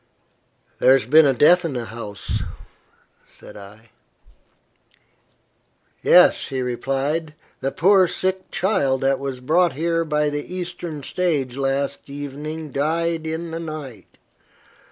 "There has been a death in the house," said I. "Yes," he replied. "The poor sick child that was brought here by the Eastern stage last evening died in the night.